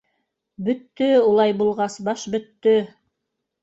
— Бөттө улай булғас баш, бөттө!